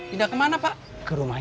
kita kan masih imek ofas kan